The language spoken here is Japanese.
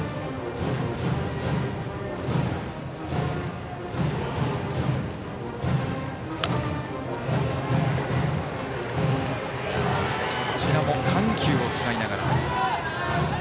こちらも緩急を使いながら。